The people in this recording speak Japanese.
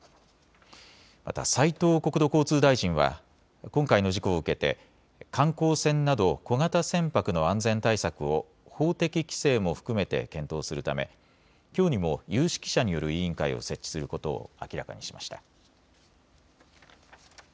また斉藤国土交通大臣は今回の事故を受けて観光船など小型船舶の安全対策を法的規制も含めて検討するためきょうにも有識者による委員会を設置することを明らかにしました。